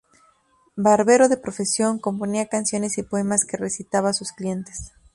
Barbero de profesión, componía canciones y poemas que recitaba a sus clientes.